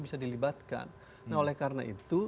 bisa dilibatkan nah oleh karena itu